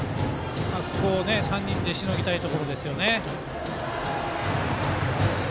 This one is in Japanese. ３人でしのぎたいところですね。